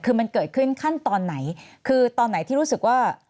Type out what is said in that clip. คือมันเกิดขึ้นขั้นตอนไหนคือตอนไหนที่รู้สึกว่า